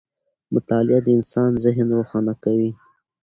مطالعه د انسان ذهن روښانه کوي.